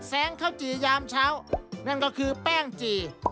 ข้าวจี่ยามเช้านั่นก็คือแป้งจี่